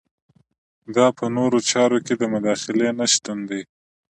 دا په نورو چارو کې د مداخلې نشتون دی.